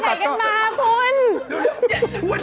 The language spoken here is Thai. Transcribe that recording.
อาทิตย์